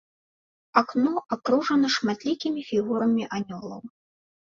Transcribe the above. Акно акружана шматлікімі фігурамі анёлаў.